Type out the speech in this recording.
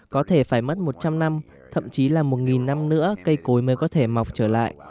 có thể phải mất một trăm linh năm thậm chí là một năm nữa cây cối mới có thể mọc trở lại